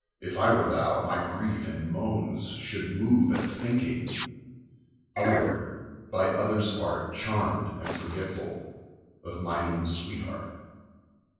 If I were thou, my grief in moans should move At thinking otherwhere, by others' art Charmed and forgetful of mine own sweetheart.